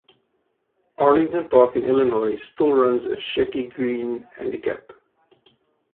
Arlington Park in Illinois still runs a Shecky Greene Handicap.